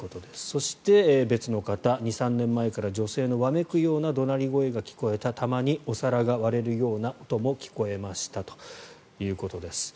そして、別の方２３年前から女性のわめくような声が聞こえたたまにお皿が割れるような音も聞こえましたということです。